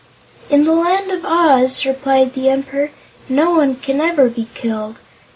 "In the Land of Oz," replied the Emperor, "no one can ever be killed.